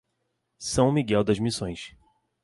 São Miguel das Missões